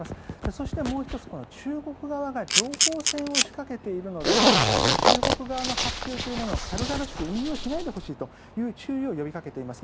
そして、もう１つ中国側が情報戦を仕掛けているので中国側の発表というものを軽々しく引用しないでほしいという注意を呼びかけています。